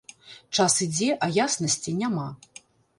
Час ідзе, а яснасці няма.